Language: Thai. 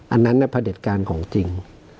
อันนั้นพระเด็จการของจริง